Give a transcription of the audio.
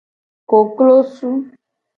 Koklosu.